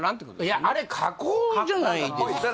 いやあれ加工じゃないですか